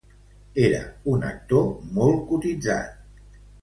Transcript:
Era un actor molt cotitzat.